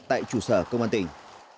tại chủ sở công an tỉnh